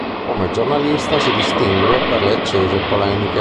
Come giornalista, si distingue per le accese polemiche.